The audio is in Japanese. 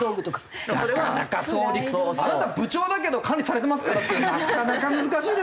あなた部長だけど管理されてますからってなかなか難しいですよ。